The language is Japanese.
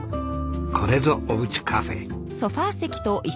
これぞおうちカフェ。